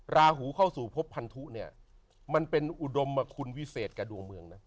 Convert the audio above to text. ราหูเข้าสู่พบพันธุมันเป็นอุดรมคุณวิเศษกับดวงเมือง